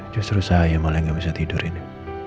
justru saya malah nggak bisa tidur ini